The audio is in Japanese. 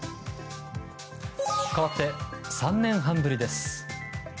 かわって３年半ぶりです。